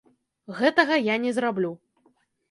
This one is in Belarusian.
Гэтага я не зраблю.